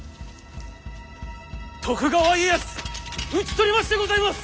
徳川家康討ち取りましてございます！